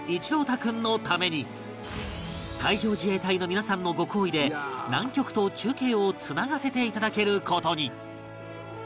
君のために海上自衛隊の皆さんのご厚意で南極と中継をつながせていただける事に